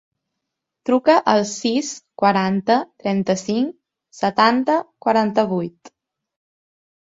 Truca al sis, quaranta, trenta-cinc, setanta, quaranta-vuit.